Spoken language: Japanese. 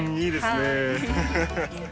いいですね。